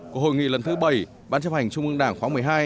của hội nghị lần thứ bảy ban chấp hành trung ương đảng khóa một mươi hai